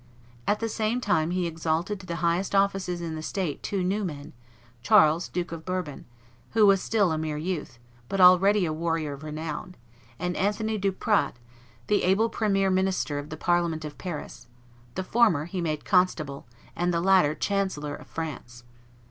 At the same time he exalted to the highest offices in the state two new men, Charles, Duke of Bourbon, who was still a mere youth, but already a warrior of renown, and Anthony Duprat, the able premier president of the Parliament of Paris; the former he made constable, and the latter chancellor of France.